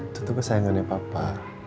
itu tuh kesayangan ya papa